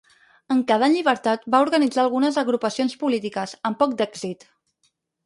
En quedar en llibertat, va organitzar algunes agrupacions polítiques, amb poc d'èxit.